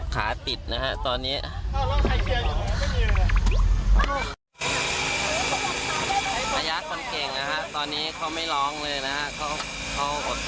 เขาอดฝนมาก